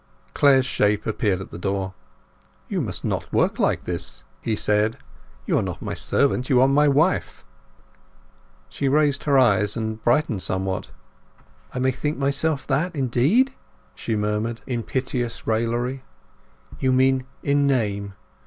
Clare's shape appeared at the door. "You must not work like this," he said. "You are not my servant; you are my wife." She raised her eyes, and brightened somewhat. "I may think myself that—indeed?" she murmured, in piteous raillery. "You mean in name!